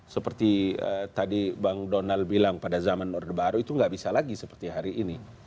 seperti tadi bang donald bilang pada zaman orde baru itu nggak bisa lagi seperti hari ini